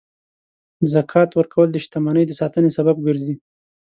زکات ورکول د شتمنۍ د ساتنې سبب ګرځي.